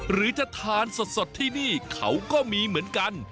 หรือจะทานสดที่นี่เขาก็มีเหมือนกัน